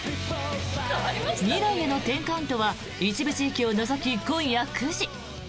「未来への１０カウント」は一部地域を除き、今夜９時。